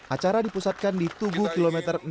acara dipusatkan di tubuh kilometer indonesia